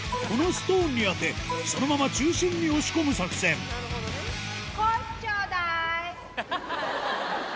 このストーンに当てそのまま中心に押し込む作戦ハハハハ！